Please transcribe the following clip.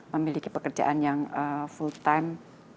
memiliki pekerjaan yang full time